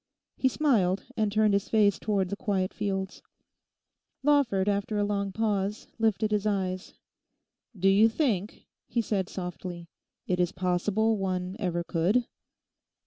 He smiled and turned his face towards the quiet fields. Lawford, after a long pause, lifted his eyes. 'Do you think,' he said softly, 'it is possible one ever could?